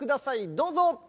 どうぞ。